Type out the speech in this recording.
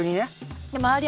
周り